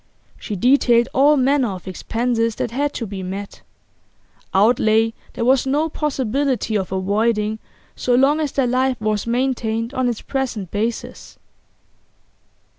She detailed all manner of expenses that had to be met outlay there was no possibility of avoiding so long as their life was maintained on its present basis.